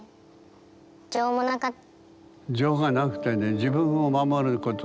情もなかった。